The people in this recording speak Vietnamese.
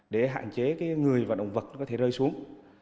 để hạn chế người và động vật có thể rơi xuống